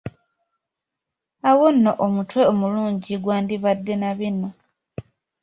Awo nno, omutwe omulungi gwandibadde na bino: